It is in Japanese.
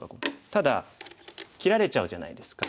ただ切られちゃうじゃないですか。